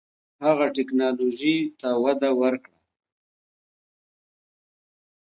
هغه ټیکنالوژۍ ته وده ورکړه.